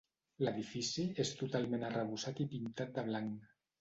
L'edifici és totalment arrebossat i pintat de blanc.